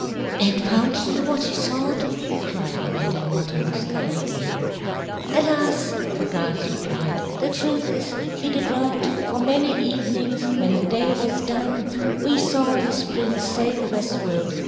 "And found he what he sought?" cried Maiden Matanuska eagerly. "Alas!" the Gulls replied. "The truth is, he did not. For many evenings when the day was done, we saw this prince sail westward.